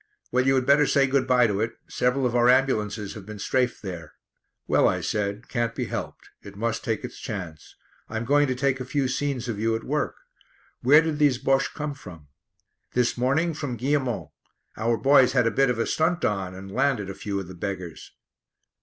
"Well, you had better say good bye to it; several of our ambulances have been strafed there." "Well," I said, "can't be helped; it must take its chance. I'm going to take a few scenes of you at work. Where did these Bosches come from?" "This morning, from Guillemont; our boys had a bit of a stunt on and landed a few of the beggars."